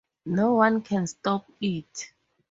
No one can stop it.